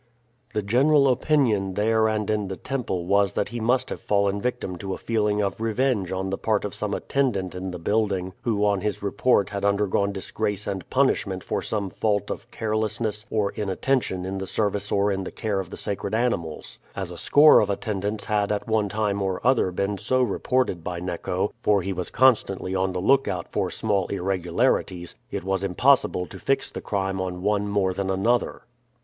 The general opinion there and in the temple was that he must have fallen a victim to a feeling of revenge on the part of some attendant in the building who on his report had undergone disgrace and punishment for some fault of carelessness or inattention in the services or in the care of the sacred animals. As a score of attendants had at one time or other been so reported by Neco, for he was constantly on the lookout for small irregularities, it was impossible to fix the crime on one more than another.